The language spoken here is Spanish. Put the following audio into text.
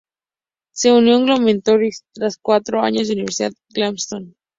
Se unió a los Globetrotters tras cuatro años en la Universidad de Langston.